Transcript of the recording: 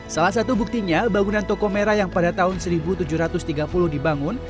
salah satu buktinya bangunan toko merah yang pada tahun seribu tujuh ratus tiga puluh dibangun